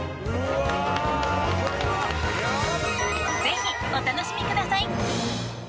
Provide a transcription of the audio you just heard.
ぜひお楽しみください！